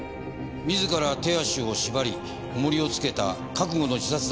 自ら手足を縛りおもりを付けた覚悟の自殺だ。